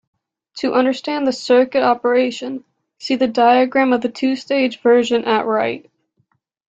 To understand the circuit operation, see the diagram of the two-stage version at right.